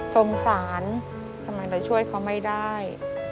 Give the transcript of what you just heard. สงสารทำไมเราช่วยเขาไม่ได้